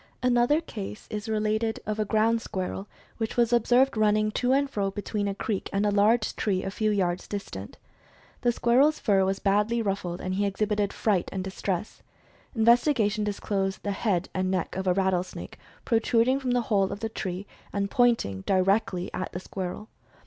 1 6 Mental Fascination Another case is related of a ground squirrel, which was observed running to and fro between a creek and a large tree a few yards distant. The squirrel's fur was badly ruffled, and he exhibited fright and distress. Investigation disclosed the head and neck of a rattle snake, protruding from the hole of the tree, and point ing directly at the squirrel.